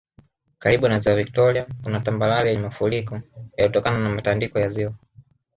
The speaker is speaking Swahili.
Karibu na Ziwa Viktoria kuna tambarare yenye mafuriko yaliyotokana na matandiko ya ziwa